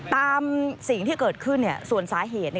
ตามสิ่งที่เกิดขึ้นส่วนสาเหตุ